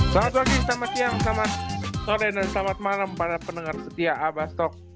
selamat pagi selamat siang selamat sore dan selamat malam para pendengar setia abastok